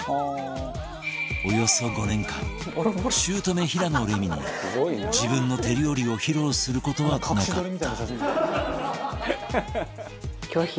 およそ５年間姑平野レミに自分の手料理を披露する事はなかった